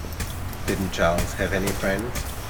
Didn't Charles have any friends?